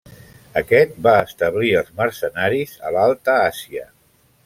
Aquest va establir els mercenaris a l'alta Àsia.